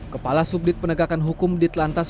kepala subdit penegakan hukum ditlantas